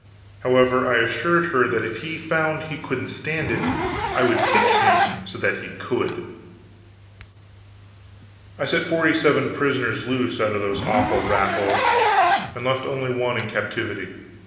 However, I assured her that if he found he couldn't stand it I would fix him so that he could. I set forty seven prisoners loose out of those awful rat holes, and left only one in captivity.